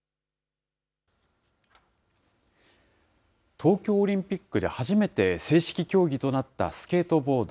東京オリンピックで初めて正式競技となったスケートボード。